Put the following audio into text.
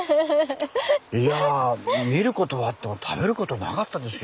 いやあ見ることはあっても食べることなかったですよ。